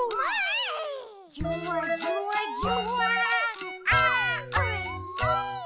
「じゅわじゅわじゅわーんあーおいしい！」